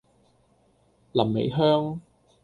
臨尾香